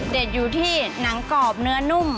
อยู่ที่หนังกรอบเนื้อนุ่ม